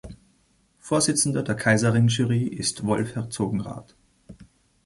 Vorsitzender der Kaiserring-Jury ist Wulf Herzogenrath.